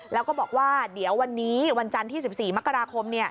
แล้วก็บอกว่าเดี๋ยววันนี้วันจันทร์ที่๑๔มกราคม